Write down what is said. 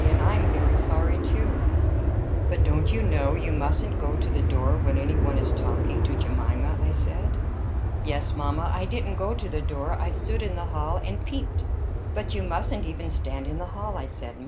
And I'm very sorry, too." "But don't you know you mustn't go to the door when any one is talking to Jemima?" I said. "Yes, mamma. I didn't go to the door: I stood in the hall and peeped." "But you mustn't even stand in the hall," I said.